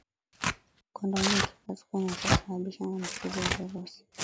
kondomu ikipasuka inaweza kusababisha maambukizi ya virusi